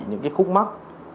những cái khúc mắt